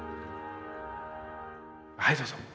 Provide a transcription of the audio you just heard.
はいどうぞ。